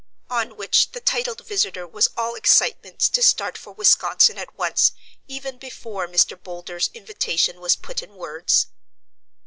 On which the titled visitor was all excitement to start for Wisconsin at once, even before Mr. Boulder's invitation was put in words.